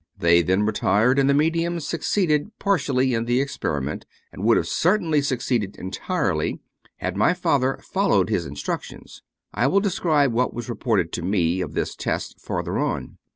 They then retired, and the medium succeeded partially in the experiment; and would have certainly succeeded entirely, had my father followed his instructions. I will describe what was reported to me of this test, farther on.